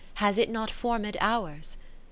Has it not formt;d ours ?